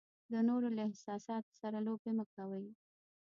د نورو له احساساتو سره لوبې مه کوئ.